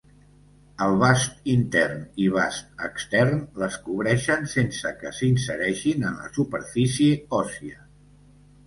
El vast intern i vast extern les cobreixen, sense que s'insereixin en la superfície òssia.